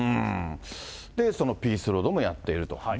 そのピースロードもやっていると。